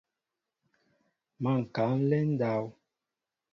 Má ŋkă a nlen ndáw.